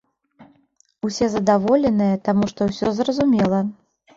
Усе задаволеныя, таму што ўсё зразумела.